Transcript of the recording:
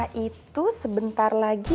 sifat itu sebentar lagi